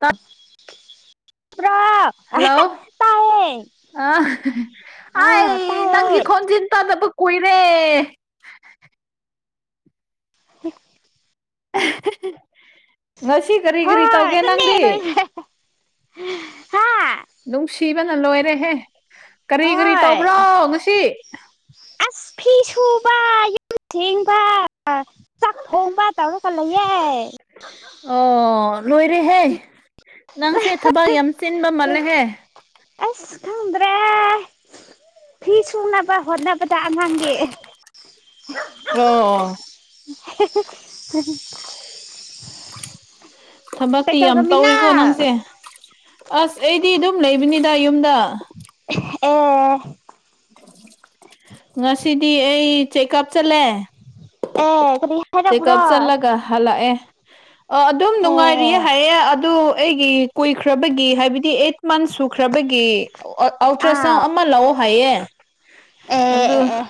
ꯇꯞ [inaudible] ꯍꯜꯂꯣ ꯇꯥꯏꯌꯦ ꯑ ꯑꯥꯢ ꯑꯥꯎ ꯇꯥꯏꯌꯦ ꯅꯪꯒꯤ ꯈꯣꯟꯖꯦꯜ ꯇꯗꯕ ꯀꯨꯏꯔꯦ [unintelligible] ꯉꯁꯤ ꯀꯔꯤ ꯀꯔꯤ ꯍꯣꯏ ꯇꯧꯒꯦ ꯑꯗꯨꯅꯦ ꯅꯪꯗꯤ ꯂꯣꯏꯁꯦ ꯍꯥ ꯅꯨꯡꯁꯤꯕꯅ ꯂꯣꯏꯔꯦꯍꯦ ꯀꯔꯤ ꯀꯔꯤ ꯍꯣꯏ ꯇꯧꯕ꯭ꯔꯣ ꯉꯁꯤ ꯑꯁ ꯐꯤ ꯁꯨꯕ ꯌꯨꯝ ꯁꯦꯡꯕ ꯆꯥꯛ ꯊꯣꯡꯕ ꯇꯧꯔꯒ ꯂꯩꯌꯦ ꯑꯣ ꯂꯣꯏꯔꯦꯍꯦ ꯅꯪꯁꯦ ꯊꯕꯛ ꯌꯥꯝ ꯆꯤꯟꯕ ꯃꯥꯜꯂꯦꯍꯦ ꯑꯁ ꯈꯪꯗ꯭ꯔꯦ ꯐꯤ ꯁꯨꯅꯕ ꯍꯣꯠꯅꯕꯗ ꯑꯉꯥꯡꯒꯤ ꯑꯣ [unintelligible] ꯊꯕꯛꯇꯤ ꯌꯥꯝ ꯀꯩꯗꯧꯔꯝꯃꯤꯅꯣ ꯇꯧꯋꯦꯀꯣ ꯅꯪꯁꯦ ꯑꯁ ꯑꯩꯗꯤ ꯑꯗꯨꯝ ꯂꯩꯕꯅꯤꯗ ꯌꯨꯝꯗ ꯑꯣ ꯉꯁꯤꯗꯤ ꯑꯩ ꯆꯦꯛꯑꯞ ꯆꯠꯂꯦ ꯑꯦ ꯀꯔꯤ ꯍꯥꯏꯔꯛꯄ꯭ꯔꯣ ꯆꯦꯛꯑꯞ ꯆꯠꯂꯒ ꯍꯜꯂꯛꯑꯦ ꯑꯗꯨꯝ ꯑꯦ ꯅꯨꯡꯉꯥꯏꯔꯤꯌꯦ ꯍꯥꯏꯌꯦ ꯑꯗꯨ ꯑꯩꯒꯤ ꯀꯨꯏꯈ꯭ꯔꯕꯒꯤ ꯍꯥꯏꯕꯗꯤ ꯑꯩꯠ ꯃꯟꯁ ꯁꯨ ꯈ꯭ꯔꯕꯒꯤ ꯑꯥꯎ ꯑꯜꯇ꯭ꯔꯥꯁꯥꯎꯟ ꯑꯃ ꯂꯧꯑꯣ ꯍꯥꯏꯌꯦ ꯑꯦ ꯑꯗꯨ ꯑꯦ ꯑꯦ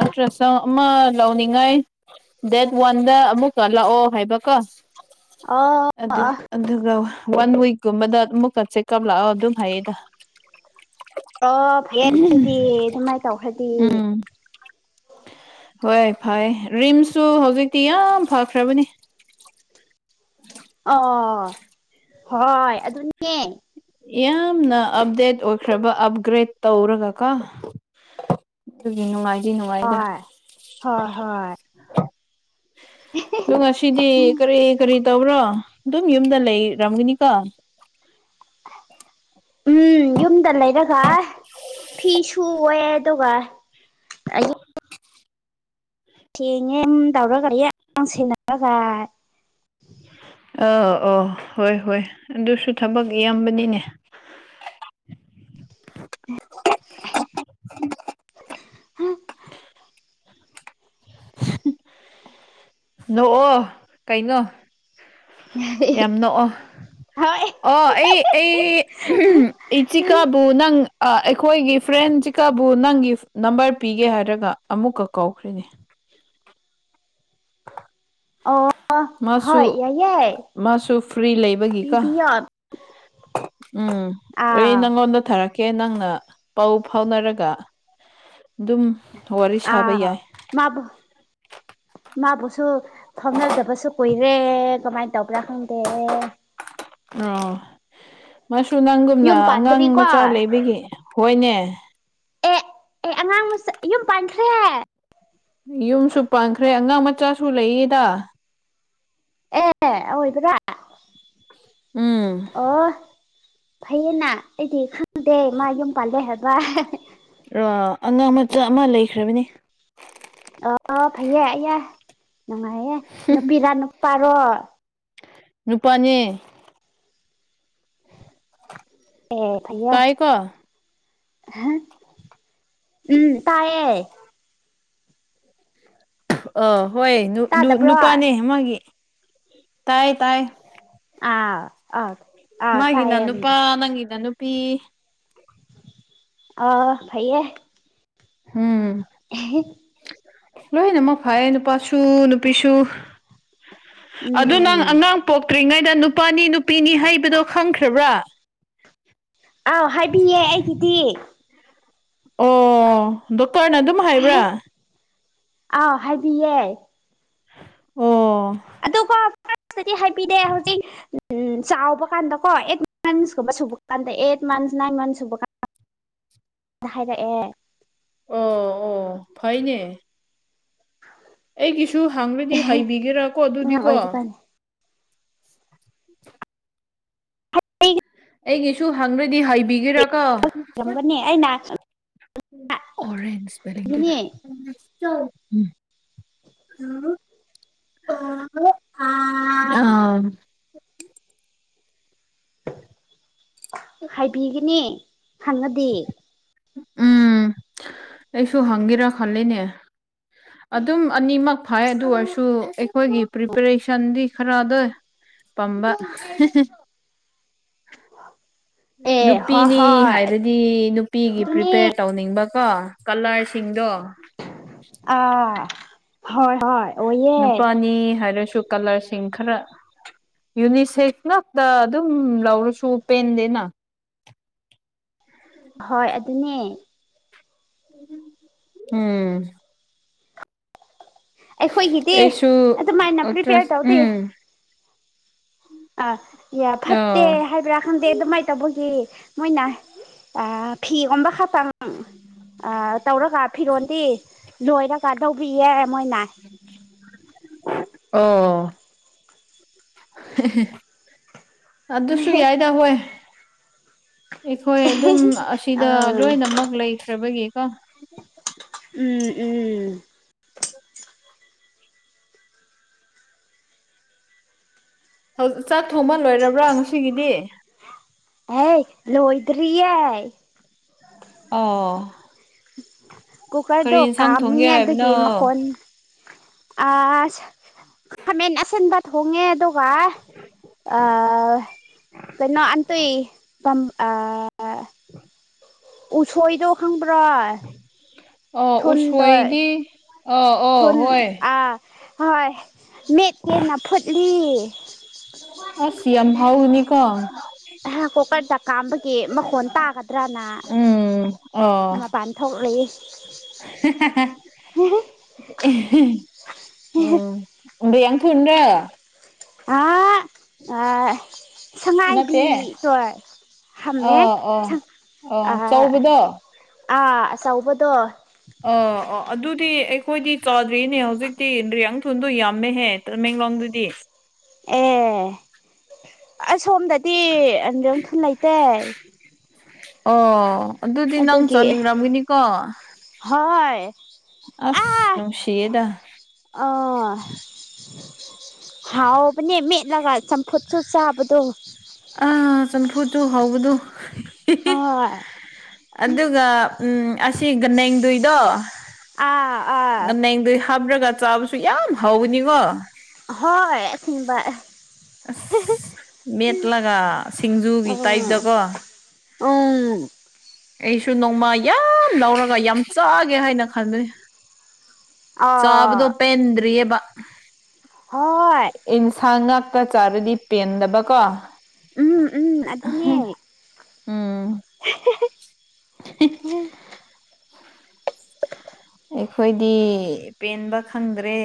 ꯑꯜꯇ꯭ꯔꯁꯥꯎꯟ ꯑꯃ ꯂꯧꯅꯤꯡꯉꯥꯏ ꯗꯦꯠ ꯋꯥꯟꯗ ꯑꯃꯨꯛꯀ ꯂꯥꯛꯑꯣ ꯍꯥꯏꯕꯀꯣ ꯑꯣ ꯑꯗꯨ ꯑꯣ ꯑꯗꯨꯒ ꯋꯥꯟ ꯋꯤꯛꯀꯨꯝꯕꯗ ꯑꯃꯨꯛꯀ ꯆꯦꯛꯀꯞ ꯂꯥꯛꯑꯣ ꯑꯗꯨꯝ ꯍꯥꯏꯌꯦꯗ ꯑꯣ ꯐꯩꯌꯦ ꯑꯗꯨꯗꯤ ꯑꯗꯨꯃꯥꯏꯅ ꯇꯧꯈ꯭ꯔꯗꯤ ꯎꯝ ꯍꯣꯏ ꯐꯩ ꯔꯤꯝꯁꯁꯨ ꯍꯧꯖꯤꯛꯇꯤ ꯌꯥꯝ ꯐꯈ꯭ꯔꯕꯅꯤ ꯑꯣ ꯍꯣꯏ ꯑꯗꯨꯅꯦ ꯌꯥꯝꯅ ꯑꯞꯗꯦꯠ ꯑꯣꯏꯈ꯭ꯔꯕ ꯑꯞꯒ꯭ꯔꯦꯗ ꯇꯧꯔꯒ ꯀꯣ ꯑꯗꯨꯒꯤ ꯅꯨꯡꯉꯥꯏꯗꯤ ꯅꯨꯡꯉꯥꯏꯗ ꯍꯣꯏ ꯍꯣꯏ ꯍꯣꯏ ꯑꯣ ꯉꯁꯤꯗꯤ ꯎꯝ ꯀꯔꯤ ꯀꯔꯤ ꯇꯧꯕ꯭ꯔꯣ ꯑꯗꯨꯝ ꯌꯨꯝꯗ ꯂꯩ ꯔꯝꯒꯤꯅꯤꯀꯣ ꯎꯝ ꯌꯨꯝꯗ ꯂꯩꯔꯒ ꯐꯤꯁꯨ ꯍꯣꯢꯌꯦ ꯑꯗꯨꯒ ꯑꯩ ꯊꯦꯡꯉꯦꯝ ꯇꯧꯔꯒ ꯌꯦꯡ [unintelligible] ꯁꯦꯟꯅꯔꯒ ꯑ ꯑ ꯍꯣꯏ ꯍꯣꯏ ꯑꯗꯨꯁꯨ ꯊꯕꯛ ꯌꯥꯝꯕꯅꯤꯅꯦ [inaudible] [unintelligible] ꯅꯣꯛꯑꯣ ꯀꯩꯅꯣ ꯌꯥꯝ ꯅꯣꯛꯑꯣ ꯍꯣꯏ ꯑꯣ ꯑꯩ ꯑꯩ ꯏꯆꯤꯀꯥꯕꯨ ꯅꯪ ꯑ ꯑꯩꯈꯣꯏꯒꯤ ꯐ꯭ꯔꯦꯟ ꯖꯤꯀꯥꯕꯨ ꯅꯪꯒꯤ ꯅꯝꯕꯔ ꯄꯤꯒꯦ ꯍꯥꯏꯔꯒ ꯑꯃꯨꯛꯀ ꯀꯧꯈ꯭ꯔꯦꯅꯤ [inaudible] ꯑꯣ ꯃꯥꯁꯨ ꯍꯣꯏ ꯌꯥꯏꯌꯦ ꯃꯥꯁꯨ ꯐ꯭ꯔꯤ ꯂꯩꯕꯒꯤꯀꯣ ꯄꯤꯕꯤꯌꯣ ꯎꯝ ꯑꯩ ꯑꯥꯎ ꯅꯉꯣꯟꯗ ꯊꯔꯛ ꯀꯦ ꯅꯪꯅ ꯄꯥꯎ ꯐꯥꯎꯅꯔꯒ ꯑꯗꯨꯝ ꯋꯥꯔꯤ ꯁꯥꯕ ꯑꯥꯎ ꯌꯥꯏ ꯃꯥꯕꯨ ꯃꯥꯕꯨꯁꯨ ꯐꯥꯎꯅꯗꯕꯁꯨ ꯀꯨꯏꯔꯦ ꯀꯃꯥꯏꯅ ꯇꯧꯕ꯭ꯔꯥ ꯈꯪꯗꯦ ꯑꯣ ꯃꯥꯁꯨ ꯅꯪꯒꯨꯝꯅ ꯌꯨꯝ ꯑꯉꯥꯡ ꯄꯥꯟꯗ꯭ꯔꯤꯀꯣ ꯃꯆꯥ ꯂꯩꯕꯒꯤ ꯍꯣꯏꯅꯦ ꯑꯦ ꯑꯦ ꯑꯉꯥꯡ ꯃꯆꯥ [unintelligible] ꯌꯨꯝꯁꯨ ꯄꯥꯟꯈ꯭ꯔꯦ ꯑꯉꯥꯡ ꯃꯆꯥꯁꯨ ꯂꯩꯌꯦꯗ ꯑꯦ ꯑꯋꯣꯢꯕ꯭ꯔꯥ ꯎꯝ ꯐꯩꯌꯦꯅ ꯑꯩꯗꯤ ꯈꯪꯗꯦ ꯃꯥ ꯌꯨꯝ ꯄꯥꯜꯂꯦ ꯍꯥꯏꯕ ꯑꯉꯥꯡ ꯃꯆꯥ ꯑꯃ ꯂꯩꯈ꯭ꯔꯕꯅꯤ ꯑꯣ ꯐꯩꯌꯦ ꯑꯩꯌꯥ ꯅꯨꯡꯉꯥꯏꯌꯦ ꯅꯨꯄꯤꯔꯥ ꯅꯨꯄꯥꯔꯣ ꯅꯨꯄꯥꯅꯤ ꯑꯦ ꯐꯩꯌꯦ ꯇꯥꯏꯀꯣ ꯍꯥ ꯎꯝ ꯇꯥꯢꯌꯦ ꯑ ꯍꯣꯏ ꯅꯨ ꯇꯥꯗꯕ꯭ꯔꯣ ꯑꯥ ꯅꯨꯄꯥꯅꯦ ꯃꯥꯒꯤ ꯇꯥꯏ ꯇꯥꯏ ꯑꯥ ꯑ ꯃꯥꯒꯤꯅ ꯅꯨꯄꯥ ꯅꯪꯒꯤꯅ ꯅꯨꯄꯤ ꯑ ꯐꯩꯌꯦ ꯍꯝ ꯑꯦꯍꯦ ꯂꯣꯏꯅꯃꯛ ꯐꯩ ꯅꯨꯄꯥꯁꯨ ꯅꯨꯄꯤꯁꯨ ꯎꯝ ꯑꯗꯨ ꯅꯪ ꯎꯝ ꯑꯉꯥꯡ ꯄꯣꯛ ꯇ꯭ꯔꯤꯉꯩꯗ ꯅꯨꯄꯥꯅꯤ ꯅꯨꯄꯤꯅꯤ ꯍꯥꯏꯕꯗꯣ ꯈꯪꯈ꯭ꯔꯕ꯭ꯔꯥ ꯑꯥꯎ ꯍꯥꯏꯕꯤꯌꯦ ꯑꯩꯒꯤꯗꯤ ꯑꯣ ꯗꯣꯛꯇꯔꯅ ꯑꯗꯨꯝ ꯍꯥꯏꯕ꯭ꯔꯥ ꯑꯥꯎ ꯍꯥꯏꯕꯤꯌꯦ ꯑꯣ ꯑꯗꯨꯒ ꯗꯤ ꯍꯥꯏꯕꯤꯗꯦ ꯍꯧꯖꯤꯛ ꯎꯝ ꯆꯥꯎꯕ ꯀꯥꯟꯗꯀꯣ ꯑꯦꯠ ꯃꯟꯁꯀꯨꯝꯕ ꯁꯨꯕ ꯀꯥꯟꯗ ꯑꯦꯠ ꯃꯟꯁ ꯅꯥ ꯃꯟ ꯁꯨꯕ ꯀ ꯍꯥꯏꯔꯛꯑꯦ ꯑꯣ ꯑꯣ ꯐꯩꯅꯦ ꯑꯩꯒꯤꯁꯨ ꯍꯅꯗꯤ ꯍꯩꯕꯤꯒꯦꯔ ꯀꯣ ꯑꯉꯥꯡ ꯑꯗꯨꯗꯤꯀꯣ ꯑꯣꯏꯕ ꯀꯥꯟꯗ ꯍ ꯑꯩꯒꯤꯁꯨ ꯍꯪꯅꯗꯤ ꯍꯥꯏꯕꯤꯒꯦꯔ ꯒꯅꯤ ꯑꯩꯅꯥ ꯑꯣꯔꯦꯟꯖ ꯑꯥ ꯍꯥꯏꯕꯤꯒꯅꯤ ꯍꯪꯉꯗꯤ ꯎꯝ ꯑꯩꯁꯨ ꯍꯪꯒꯦꯔꯥ ꯈꯜꯂꯤꯅꯦ ꯑꯗꯨꯝ ꯑꯅꯤꯃꯛ ꯐꯥꯏ ꯑꯗꯨ ꯑꯣꯏꯔꯁꯨ ꯑꯩꯈꯣꯏꯒꯤ ꯄ꯭ꯔꯤꯄꯦꯔꯦꯁꯟꯗꯤ ꯈꯔꯗ ꯄꯝꯕ ꯑꯦ ꯍꯣꯏ ꯅꯨꯄꯤꯅꯤ ꯍꯣꯏ ꯍꯥꯏꯔꯗꯤ ꯅꯨꯄꯤꯒꯤ ꯑꯗꯨꯅꯦ ꯄ꯭ꯔꯤꯄꯦꯌꯔ ꯇꯧꯅꯤꯡꯕꯀꯣ ꯀꯂꯔꯁꯤꯡꯗꯣ ꯑ ꯑ ꯍꯣꯏ ꯍꯣꯏ ꯅꯨꯄꯥꯅꯤ ꯍꯥꯏꯔꯁꯨ ꯀꯂꯔꯁꯤꯡ ꯈꯔ ꯌꯨꯅꯤꯁꯦꯐ ꯉꯛꯇ ꯑꯗꯨꯝ ꯂꯧꯔꯁꯨ ꯄꯦꯟꯗꯦꯅ ꯍꯣꯏ ꯑꯗꯨꯅꯦ ꯎꯝ ꯑꯩꯈꯣꯏꯒꯤꯗꯤ ꯑꯩꯁꯨ ꯑꯗꯨꯃꯥꯏꯅ ꯄ꯭ꯔꯤꯄꯦꯌꯔ ꯑꯜꯇ꯭ꯔꯥꯁ ꯇꯧꯗꯦ ꯎꯝ ꯑ ꯌꯥ ꯐꯠꯇꯦ ꯑꯥ ꯍꯥꯏꯕ꯭ꯔꯥ ꯈꯪꯗꯦ ꯑꯗꯨꯃꯥꯏꯅ ꯇꯧꯕꯒꯤ ꯃꯣꯏꯅ ꯑ ꯐꯤ ꯑꯣꯝꯕ ꯈꯥ ꯈꯤꯇꯪ ꯇꯧꯔꯒ ꯐꯤꯔꯣꯗꯤ ꯂꯣꯏꯔꯒ ꯂꯧꯕꯤꯌꯦ ꯃꯣꯏꯅ ꯑꯣ ꯑꯗꯨꯁꯨ ꯌꯥꯏꯗ ꯍꯣꯏ ꯑꯩꯈꯣꯏ ꯑꯗꯨꯝ ꯑꯥ ꯑꯁꯤꯗ ꯎꯝ ꯂꯣꯏꯅꯃꯛ ꯂꯩꯈ꯭ꯔꯕꯒꯤ ꯀ ꯎꯝ ꯎꯝ ꯆꯥꯛ ꯊꯣꯡꯕ ꯂꯣꯏꯔꯕ꯭ꯔꯥ ꯉꯁꯤꯒꯤꯗꯤ ꯑꯦ ꯂꯣꯏꯗꯔꯤ ꯑ ꯀꯨꯀꯔꯗꯣ ꯊꯣꯡꯒꯦ ꯀꯥꯝꯃꯤꯌꯦ ꯍꯥꯏꯕꯅꯣ ꯑꯗꯨꯒꯤ ꯃꯈꯣꯟ ꯑ ꯈꯃꯦꯟ ꯑꯁꯟꯕ ꯊꯣꯡꯉꯦ ꯑꯗꯣ ꯋꯥ ꯑ ꯀꯩꯅꯣ ꯑꯟ ꯇꯏ ꯄꯝ ꯑ ꯑ ꯎꯁꯣꯏꯗꯧ ꯈꯪꯕ꯭ꯔꯥ ꯑꯣ ꯊꯟꯗꯣꯏ ꯎꯁꯣꯏꯗꯤ ꯑꯣ ꯑꯣ ꯊꯟ ꯍꯣꯏ ꯑ ꯍꯣꯏ ꯃꯦꯠꯀꯦꯟꯅ ꯐꯨꯠꯂꯤ ꯑꯁ ꯌꯥꯝꯝ ꯍꯥꯎꯅꯤ ꯀ ꯍ ꯀꯣꯛꯀꯔꯗ ꯀꯥꯝꯕꯒꯤ ꯃꯈꯣꯟ ꯇꯥꯒꯗ꯭ꯔꯅ ꯎꯝ ꯑꯣ ꯃꯄꯥꯟ ꯊꯣꯛꯂꯤ [inaudible] ꯎꯝ ꯎ ꯌꯦꯡ ꯄꯟ ꯑ ꯑ ꯁꯉꯥꯏꯕꯤ ꯅꯠꯇꯦ ꯍꯣꯏ ꯑ ꯍꯥꯝꯃꯦ ꯑꯣ ꯑꯣ ꯆꯧꯕꯗꯣ ꯑ ꯁꯧꯕ ꯑ ꯑꯣ ꯑꯗꯨꯗꯤ ꯑꯩꯈꯣꯏꯗꯤ ꯆꯥꯗ꯭ꯔꯤꯅꯦ ꯍꯧꯖꯤꯛꯇꯤ ꯔꯤꯌꯥꯡꯊꯣꯟꯗꯣ ꯌꯥꯝꯃꯦꯍꯦ ꯃꯦꯡꯂꯣꯡꯗꯗꯤ ꯑꯦ ꯑꯁꯣꯝꯗꯗꯤ ꯑꯟꯗ ꯊꯨ ꯂꯩꯇꯦ ꯑꯣ ꯑꯗꯨꯗꯤ ꯅꯪ ꯑꯗꯨꯒꯤ ꯆꯠꯅꯤꯡꯔꯝꯒꯤꯅꯤꯀꯣ ꯍꯣꯏ ꯑꯁ ꯅꯨꯅꯨꯡꯁꯤꯗ ꯑꯣꯥ ꯍꯥꯎꯕꯅꯤ ꯃ ꯂ ꯁ ꯐꯨꯠ ꯁ ꯁꯥꯕꯗꯨ ꯑ ꯆꯝꯐꯨ ꯆꯨ ꯍꯧꯕꯗꯨꯣ ꯍꯣꯏ ꯑꯗꯨꯒ ꯎꯝ ꯑꯁꯤ ꯅꯦꯡꯗꯏꯗꯣ ꯑꯥ ꯉ ꯑꯥ ꯅꯗ ꯍꯥꯞ꯭ꯔꯒ ꯆꯥꯕꯁꯨ ꯌꯥꯝ ꯍꯥꯎꯋꯅꯤꯀꯣ ꯍꯣꯏ ꯁꯤꯕ ꯑꯁ ꯃꯦꯠꯂꯒ ꯁꯤꯡꯖꯨꯒꯤ ꯎꯝ ꯇꯥꯏꯞꯇꯀꯣ ꯎꯝ ꯑꯩꯁꯨ ꯅꯣꯡꯃ ꯌꯥꯝ ꯂꯧꯔꯒ ꯌꯥꯝ ꯆꯥꯒꯦ ꯍꯥꯏꯅ ꯈꯟꯕꯅꯤ ꯑꯥ ꯆꯕꯗꯣꯄꯟꯔꯤꯌꯦꯕ ꯍꯣꯏ ꯑꯦꯟꯁꯥꯡ ꯉꯥꯛꯇ ꯆꯥꯔꯗꯤ ꯄꯦꯟꯗꯕꯀꯣ ꯎꯝ ꯎꯝ ꯑꯗꯨꯅꯦ ꯎꯝ ꯍꯝ ꯑꯩꯈꯣꯏꯗꯤ ꯄꯦꯟꯕ ꯈꯪꯗ꯭ꯔꯦ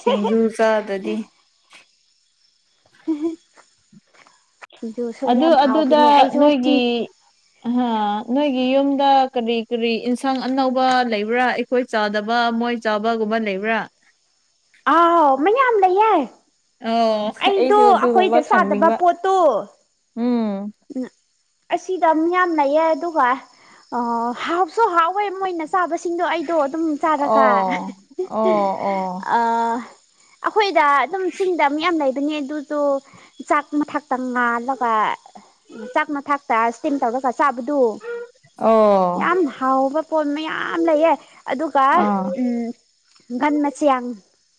ꯁꯤꯡꯖꯨ ꯆꯥꯗꯗꯤ ꯁꯤꯡꯖꯨꯁꯨ ꯑꯗꯨ ꯌꯥꯝ ꯑꯗꯨꯗ ꯍꯥꯎꯕꯅꯦ ꯑꯩꯁꯨ ꯁꯤꯡ ꯅꯣꯏꯒꯤ ꯑ ꯅꯣꯏꯒꯤ ꯌꯨꯝꯗ ꯀꯔꯤ ꯀꯔꯤ ꯏꯟꯁꯥꯡ ꯑꯅꯧꯕ ꯂꯩꯕ꯭ꯔꯥ ꯑꯩꯈꯣꯏ ꯆꯥꯗꯕ ꯃꯣꯏ ꯆꯥꯕ ꯀꯨꯝꯕꯟ ꯂꯩꯕ꯭ꯔꯥ ꯑꯥꯎ ꯃꯌꯥꯝ ꯂꯩꯌꯦ ꯑꯣ ꯑꯩꯗꯣ ꯑꯩꯁꯨ ꯑꯗꯨꯒꯨꯝꯕ ꯑꯩꯈꯣꯏꯗ ꯆꯥꯗꯕ ꯈꯪꯅꯤꯡꯕ ꯄꯣꯠꯇꯣ ꯎꯝ ꯎ ꯑꯁꯤꯗ ꯌꯥꯝ ꯂꯩꯌꯦ ꯑꯗꯨꯒ ꯍꯥꯎꯁꯨ ꯍꯥꯎꯋꯦ ꯃꯣꯏꯅ ꯆꯥꯕꯁꯤꯡꯗꯣ ꯑꯩꯗꯣ ꯑꯗꯨꯝ ꯆꯥꯔꯒ ꯑꯣ ꯑꯣ ꯑꯣ ꯑꯩꯈꯣꯏꯗ ꯑꯗꯨꯝ ꯆꯤꯡꯗ ꯃꯌꯥꯝ ꯂꯩꯕꯅꯦ ꯑꯗꯨꯁꯨ ꯆꯥꯛ ꯃꯊꯛꯇ ꯉꯥꯜꯂꯒ ꯆꯥꯛ ꯃ ꯊꯥꯛꯇ ꯏꯁꯇꯤꯝ ꯇꯧꯔꯒ ꯆꯥꯕꯗꯨ ꯑꯣ ꯌꯥꯝ ꯍꯥꯎꯕ ꯄꯣꯠ ꯃꯌꯥꯝ ꯂꯩꯌꯦ ꯑꯗꯨꯒ ꯑꯥ ꯎꯝ ꯒꯟ ꯃꯆꯤꯌꯥꯡ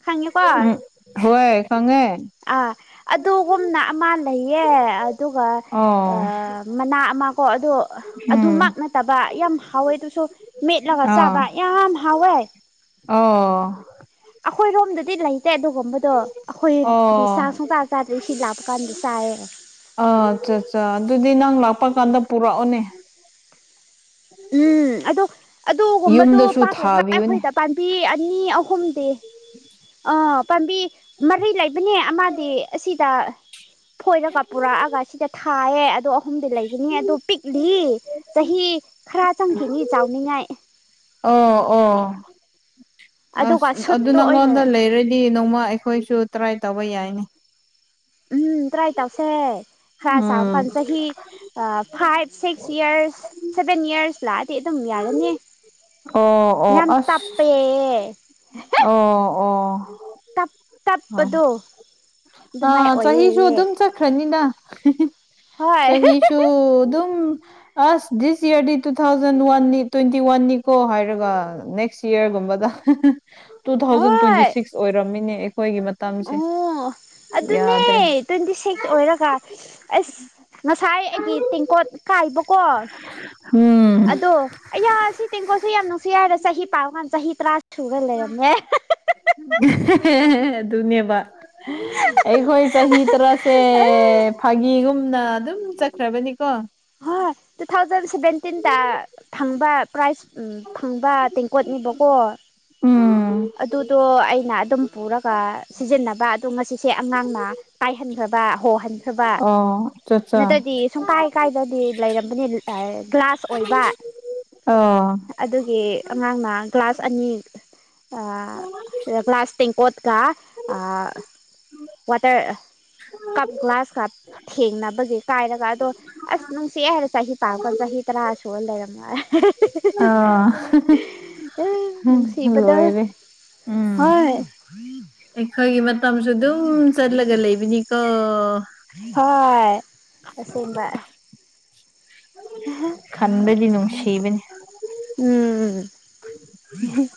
ꯈꯪꯉꯦꯀꯣ ꯎꯝ ꯍꯣꯏ ꯈꯪꯉꯦ ꯑꯥ ꯑꯗꯨꯒꯨꯝꯅ ꯑꯃ ꯂꯩꯌꯦ ꯑꯗꯨꯒ ꯑꯣ ꯃꯅꯥ ꯑꯃ ꯀꯣ ꯑꯗꯣ ꯑꯗꯨꯃꯛꯥꯛ ꯎꯝ ꯅꯠꯇꯕ ꯌꯥꯝ ꯍꯥꯎꯋꯦ ꯑꯗꯨꯁꯨ ꯃꯦꯠꯂꯒ ꯑꯥ ꯆꯥꯕ ꯌꯥꯝ ꯍꯥꯎꯋꯦ ꯑꯣ ꯑꯩꯈꯣꯏꯔꯣꯝꯗꯗꯤ ꯂꯩꯇꯦ ꯑꯗꯨꯒꯨꯝꯕꯗꯣ ꯑꯩꯈꯣꯏ ꯑꯣ ꯆꯥꯏꯌꯦ ꯑ ꯑꯠꯆꯥ ꯑꯠꯆꯥ ꯑꯗꯨꯗꯤ ꯅꯪ ꯂꯥꯛ ꯄ ꯀꯥꯟꯗ ꯄꯨꯔꯛꯑꯣꯅꯦ ꯎꯝ ꯑꯗꫭ ꯑꯗꯨꯒꯨꯝꯕꯗꯣ ꯌꯨꯝꯗꯁꯨ ꯄꯥꯛꯂꯗ ꯊꯥꯕꯤꯌꯨꯅꯦ ꯑꯩꯈꯣꯏꯗ ꯄꯥꯝꯕꯤ ꯑꯅꯤ ꯑꯍꯨꯝꯗꯤ ꯑ ꯄꯥꯝꯕꯤ ꯃꯔꯤ ꯂꯩꯕꯅꯦ ꯑꯃꯗꯤ ꯑꯁꯤꯗ ꯐꯣꯏꯔꯒ ꯄꯨꯔꯛꯑꯒ ꯁꯤꯗ ꯊꯥꯏꯌꯦ ꯑꯗꯣ ꯑꯍꯨꯝꯗꯤ ꯂꯩꯒꯅꯤ ꯑꯗꯣ ꯄꯤꯛꯂꯤ ꯆꯍꯤ ꯈꯔ ꯆꯪꯈꯤꯅꯤ ꯆꯥꯎꯅꯤꯡꯉꯥꯏ ꯑꯣ ꯑꯣ ꯑꯗꯨꯒ ꯑꯁ ꯑꯗꯨ ꯁꯨꯠꯇꯣ ꯑꯣꯏꯅ ꯅꯪꯉꯣꯟꯗ ꯂꯩꯔꯗꯤ ꯅꯣꯡꯃ ꯑꯩꯈꯣꯏꯁꯨ ꯇ꯭ꯔꯥꯏ ꯇꯧꯕ ꯌꯥꯏꯅꯤ ꯎꯝ ꯇꯥꯏ ꯇꯧꯁꯦ ꯈꯔ ꯎꯝ ꯆꯥꯎꯕꯀꯥꯟꯗ ꯆꯍꯤ five six years seven years ꯂ ꯇꯤ ꯑꯗꯨꯝ ꯌꯥꯔꯅꯤ ꯑꯣ ꯑꯣ ꯌꯥꯝ ꯑꯁ ꯇꯞꯄꯦ ꯑꯣ ꯑꯣ ꯇꯞ ꯍꯣꯏ ꯇꯞꯗꯣ ꯑꯥ ꯆꯍꯤꯁꯨ ꯑꯗꯨꯝ ꯆꯠꯈ꯭ꯔꯅꯤꯗ ꯍꯣꯏ ꯆꯍꯤꯁꯨꯨ ꯑꯗꯨꯝ ꯑꯁ ꯗꯤꯁ ꯏꯌꯥꫪꯗꯤ ꯇꯨ ꯊꯥꯎꯖꯟ ꯋꯥꯟꯅꯤ ꯇ꯭ꯋꯦꯟꯇꯤ ꯋꯥꯟꯅꯤꯀꯣ ꯍꯥꯏꯔꯒ ꯅꯦꯛꯁ ꯏꯌꯥꫪꯒꯨꯝꯕꯗ ꯇꯨ ꯊꯥꯎꯖꯟ ꯇ꯭ꯋꯦꯟꯇꯤ ꯍꯣꯏ ꯁꯤꯛꯁ ꯑꯣꯏꯔꯝꯃꯦꯅꯦ ꯑꯩꯈꯣꯏꯒꯤ ꯃꯇꯝꯁꯤ ꯑꯣ ꯑꯗꯨꯅꯦ ꯇ꯭ꯋꯦꯟꯇꯤ ꯁꯤꯛꯁ ꯑꯣꯏꯔꯒ ꯑꯁ ꯉꯁꯥꯏ ꯀꯤ ꯇꯦꯡꯀꯣꯠ ꯀꯥꯏꯕꯀꯣ ꯎꯝ ꯑꯗꯣ ꯑꯩꯌꯥ ꯁꯤ ꯇꯦꯡꯀꯣꯠꯁꯦ ꯌꯥꯝ ꯅꯨꯡꯁꯤ ꯍꯥꯏꯔꯒꯥ ꯆꯍꯤ ꯄꯥꯀꯥꯟꯗ ꯆꯍꯤ ꯇꯔꯥ ꯁꯨꯔ ꯂꯩꯔꯝꯃꯦ ꯑꯗꯨꯅꯦꯕ ꯑꯩꯈꯣꯏ ꯆꯍꯤ ꯇꯔꯥꯁꯦ ꯐꯥꯒꯤꯒꯨꯝꯅ ꯑꯗꯨꯝ ꯆꯠꯈ꯭ꯔꯕꯅꯤ ꯍ ꯇꯨ ꯊꯥꯎꯖꯟ ꯁꯦꯚꯦꯟꯇꯤꯟꯗ ꯊꯝ ꯪꯕ ꯄ꯭ꯔꯥꯏꯖ ꯐꯪꯕ ꯇꯦꯡꯀꯣꯠꯅꯦꯕꯀꯣ ꯑꯩꯅ ꯎꯝ ꯑꯗꯨꯏꯗꯣ ꯑꯩ ꯅ ꯑꯗꯨꯝ ꯄꯨꯔꯒ ꯁꯤꯖꯤꯟꯅꯕ ꯑꯗꯨ ꯉꯁꯤꯁꯦ ꯑꯉꯥꯡꯅ ꯄꯥꯏꯍꯟꯈ꯭ꯔꯕ ꯍꯣꯍꯟ ꯊꯕ ꯑꯣ ꯑꯆꯥꯆꯥ ꯅꯠꯇ꯭ꯔꯗꯤ ꯁꯨꯡ ꯀꯥꯏ ꯀꯥꯏꯗꯕꯤ ꯂꯩꯔꯝꯕꯅꯤ ꯒ꯭ꯂꯥꯁ ꯑꯣꯏꯕ ꯑꯣ ꯑꯗꯨꯒꯤ ꯑꯉꯥꯡꯅ ꯒ꯭ꯂꯥꯁ ꯑꯅꯤ ꯑ ꯒ꯭ꯂꯥꯁ ꯇꯦꯡꯀꫭꯠꯀ ꯑ ꯋꯥꯇꫪ ꯀꯞ ꯒ꯭ꯂꯥꯁ ꯀꯞ ꯊꯦꯡꯅꯕꯒꯤ ꯀꯥꯏꯔꯒ ꯑꯗꯣ ꯑꯁ ꯅꯨꯡꯁꯤꯑꯦꯍꯥꯏꯔ ꯆꯍꯤ ꯄꯥꯕꯀꯥꯟꯗ ꯆꯍꯤ ꯇ꯭ꯔꯥꯥꯁꯨ ꯂꯩꯔꯝꯃꯤ ꯑꫭ ꯂꯣꯏꯔꯦ ꯎꯝ ꯍꯥꯏ ꯑꯩꯈꯣꯏꯒꯤ ꯃꯇꯝꯁꯨ ꯑꯗꯨꯝ ꯆꯠꯂꯒ ꯂꯩꯂꯝꯕꯅꯤꯀꯣ ꯍꯣꯏ ꯑꯁꯩꯡꯕ ꯈꯟꯕꯗꯤ ꯅꯨꯡꯁꯤꯕꯅꯤ ꯎꯝ ꯍꯨꯝ